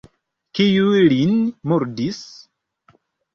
Kiu lin murdis?